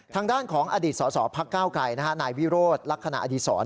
ทางด้านของอดีตสสพักก้าวไกรนายวิโรธลักษณะอดีศร